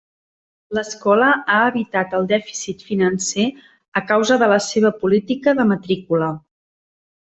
L'escola ha evitat el dèficit financer a causa de la seva política de matrícula.